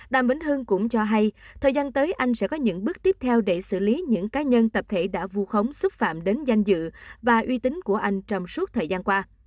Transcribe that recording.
đàm vĩnh hưng cũng cho hay thời gian tới anh sẽ có những bước tiếp theo để xử lý những cá nhân tập thể đã vu khống xúc phạm đến danh dự và uy tín của anh trong suốt thời gian qua